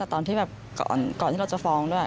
ตอนที่แบบก่อนที่เราจะฟ้องด้วย